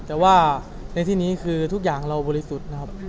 แต่ว่าในที่นี้คือทุกอย่างเราบริสุทธิ์นะครับ